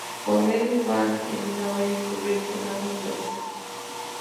Poner el pan en una olla y cubrir con agua o cerveza.